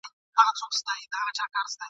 یو وخت ژمی وو او واوري اورېدلې ..